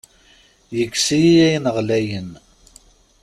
Yekkes-iyi ayen ɣlayen.